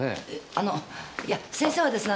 あのいや先生はですね